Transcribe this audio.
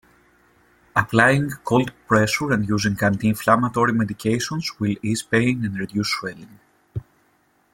Applying cold pressure and using anti-inflammatory medications will ease pain and reduce swelling.